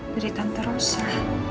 dari tante rosa